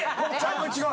違う？